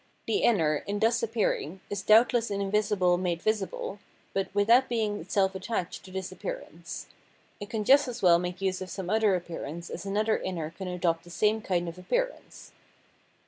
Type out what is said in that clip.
The inner in thus appearing is doubtless an invisible made visible, but without being itself attached to this appearance. It can just as weU make use of some other appearance as another inner can adopt the same kind of appearance.